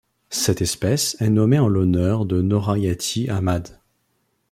Cette espèce est nommée en l'honneur de Norhayati Ahmad.